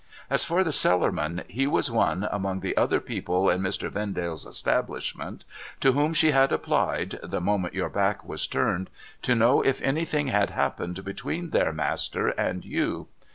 As for the Cellarman, he was one, among the other people in Mr. Vendale's establishment, to whom she had applied (the moment your back was turned) to know if anything had happened between their master and you.